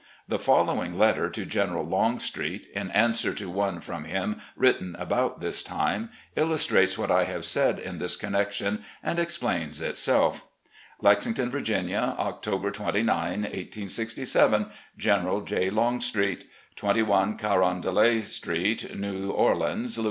The following letter to General Longstreet, in answer to one from him written about this time, illustrates what I have said in this connection, and explains itself: "Lexington, Virginia, October 29, 1867. "General J. Longstreet, "21 Carondelet Street, New Orleans, La.